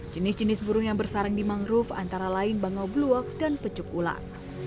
jenis jenis burung yang bersarang di mangrove antara lain bangau bluok dan pecuk ular